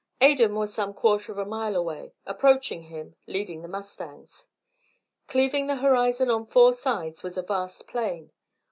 Adan was some quarter of a mile away, approaching him, leading the mustangs. Cleaving the horizon on four sides was a vast plain.